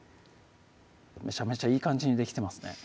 めちゃめちゃいい感じにできてますね